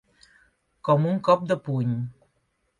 Com un cop de puny.